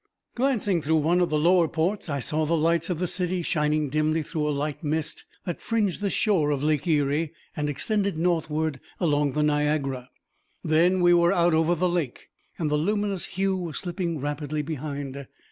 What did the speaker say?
Glancing through one of the lower ports, I saw the lights of the city shining dimly through a light mist that fringed the shore of Lake Erie and extended northward along the Niagara. Then we were out over the lake, and the luminous hue was slipping rapidly behind.